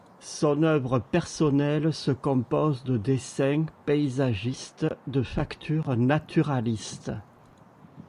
Son œuvre personnelle se compose de dessins paysagistes de facture naturaliste.